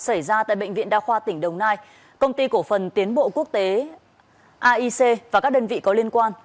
xảy ra tại bệnh viện đa khoa tỉnh đồng nai công ty cổ phần tiến bộ quốc tế aic và các đơn vị có liên quan